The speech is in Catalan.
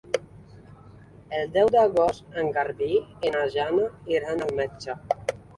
El deu d'agost en Garbí i na Jana iran al metge.